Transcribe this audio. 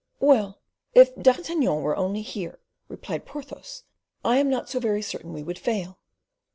"Well, if D'Artagnan were only here," replied Porthos, "I am not so very certain we would fail."